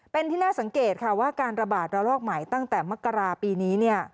เป็นที่น่าสังเกตค่ะว่าการระบาดระลอกใหม่ตั้งแต่มกราปีนี้